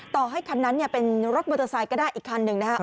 ต่อให้คันนั้นเป็นรถมอเตอร์ไซค์ก็ได้อีกคันหนึ่งนะครับ